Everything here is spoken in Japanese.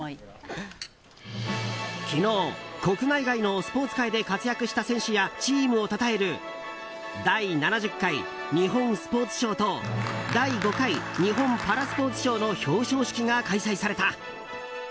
昨日、国内外のスポーツ界で活躍した選手やチームをたたえる第７０回日本スポーツ賞と第５回日本パラスポーツ賞の表彰式が開催された。